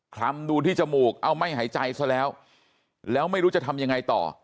ลำดูที่จมูกเอาไม่หายใจซะแล้วแล้วไม่รู้จะทำยังไงต่อ